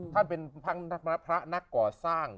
ท่านเป็นพระนักก่อสร้าง